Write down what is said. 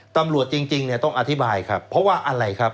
ตำรวจจริงเนี่ยต้องอธิบายครับเพราะว่าอะไรครับ